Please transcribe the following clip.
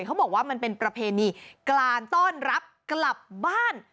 เขาบอกว่ามันเป็นประเพณีการต้อนรับกลับบ้าน